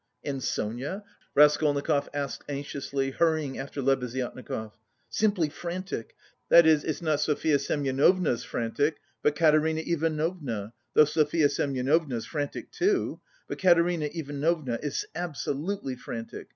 "And Sonia?" Raskolnikov asked anxiously, hurrying after Lebeziatnikov. "Simply frantic. That is, it's not Sofya Semyonovna's frantic, but Katerina Ivanovna, though Sofya Semyonova's frantic too. But Katerina Ivanovna is absolutely frantic.